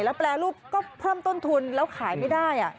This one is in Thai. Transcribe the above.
แล้วแปรรูปก็เพิ่มต้นทุนแล้วขายไม่ได้